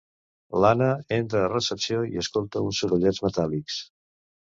L'Anna entra a recepció i escolta uns sorollets metàl·lics.